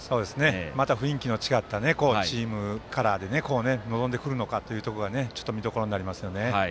また雰囲気が違ったチームカラーで臨んでくるのかというところが見どころになりますね。